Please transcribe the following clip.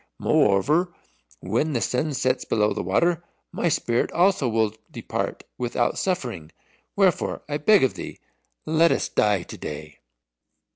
Moreover, when the sun sets below the water, my spirit also will depart without suffering. Wherefore I beg of thee, let us die to day."